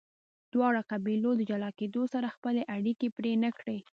دواړو قبیلو د جلا کیدو سره خپلې اړیکې پرې نه کړې.